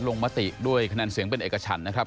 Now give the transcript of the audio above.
มติด้วยคะแนนเสียงเป็นเอกฉันนะครับ